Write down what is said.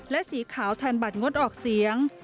และสีขาวแทนบัตรงดออกเสียง